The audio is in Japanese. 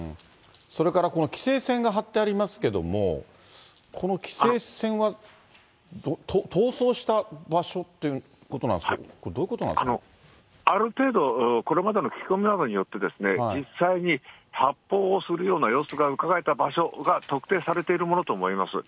それからこの規制線が張ってありますけども、この規制線は逃走した場所っていうことなんですか、ある程度、これまでの聞き込みなどによって、実際に発砲をするような様子がうかがえた場所が特定されているものと思います。